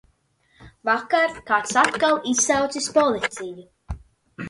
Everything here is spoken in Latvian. Vakar kāds atkal izsaucis policiju.